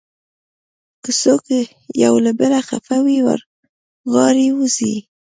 که څوک یو له بله خفه وي، ور غاړې وځئ.